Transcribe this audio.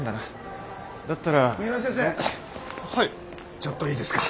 ちょっといいですか。